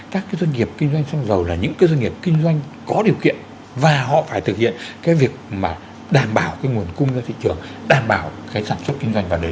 cảm ơn quý vị đã theo dõi